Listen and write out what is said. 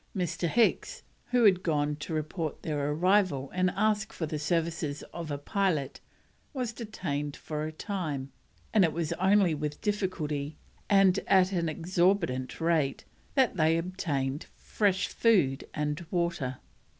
Mr. Hicks, who had gone to report their arrival and ask for the services of a pilot, was detained for a time, and it was only with difficulty, and at an exorbitant rate, that they obtained fresh food and water.